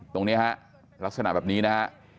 ตรงนี้ฮะลักษณะแบบนี้นะฮะ